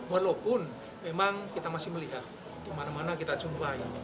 walaupun memang kita masih melihat dimana mana kita jumpai